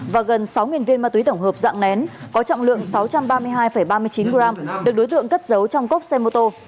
và gần sáu viên ma túy tổng hợp dạng nén có trọng lượng sáu trăm ba mươi hai ba mươi chín g được đối tượng cất giấu trong cốc xe mô tô